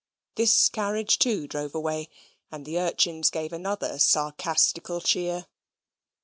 This carriage, too, drove away, and the urchins gave another sarcastical cheer.